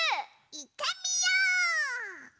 いってみよう！